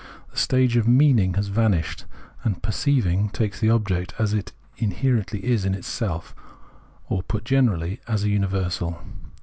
The stage of " meaning " has vanished, and perceiving takes the object as it inherently is in itself, or, put generally, as a universal.